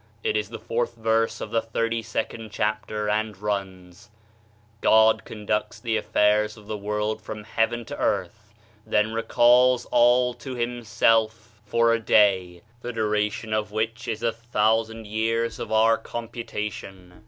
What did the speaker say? It is the fourth verse of the thirty second chapter, and runs : "God conducts the affairs of the world from heaven to earth, then recalls all to himself for 43 THE SHINING PATHWAY a day, the duration of which is a thousand years of our computation."